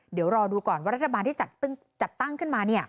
เดี๋ยวรอดูก่อนว่ารัฐบาลที่จัดตั้งขึ้นมา